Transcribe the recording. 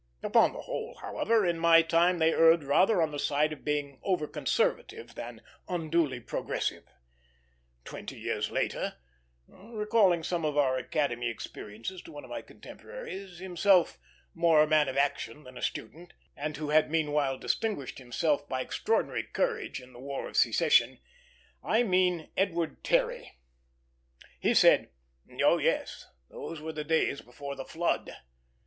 Upon the whole, however, in my time they erred rather on the side of being over conservative than unduly progressive. Twenty years later, recalling some of our Academy experiences to one of my contemporaries, himself more a man of action than a student, and who had meanwhile distinguished himself by extraordinary courage in the War of Secession I mean Edward Terry he said, "Oh yes, those were the days before the flood."